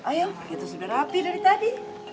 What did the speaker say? ayo kita sudah rapi dari tadi